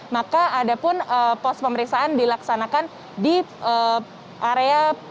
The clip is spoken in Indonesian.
maka ada pun pos pemeriksaan dilaksanakan di area